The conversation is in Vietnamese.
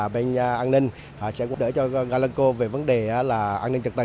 bên an ninh sẽ đỡ cho galangco về vấn đề an ninh trật tự